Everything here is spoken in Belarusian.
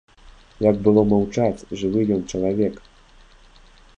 Як было маўчаць, жывы ён чалавек?